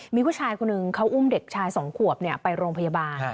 มีผู้ชายคนหนึ่งเขาอุ้มเด็กชาย๒ขวบไปโรงพยาบาล